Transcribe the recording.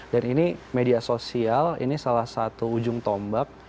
dan ini media sosial ini salah satu ujung tombak